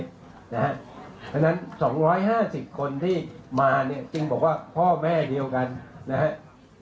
เพราะฉะนั้น๒๕๐คนที่มาเนี่ยจึงบอกว่าพ่อแม่เดียวกันนะครับ